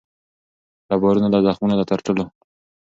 له بارونو له زخمونو له ترټلو